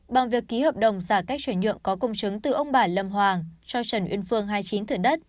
bằng việc ký hợp đồng giả cách chuyển nhượng có công chứng từ ông bản lâm hoàng cho trần uyên phương hai mươi chín thửa đất